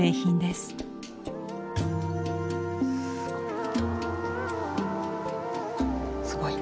すごい。